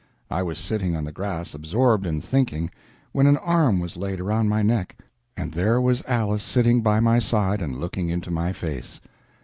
I was sitting on the grass, absorbed in thinking, when an arm was laid around my neck, and there was Alice sitting by my side and looking into my face.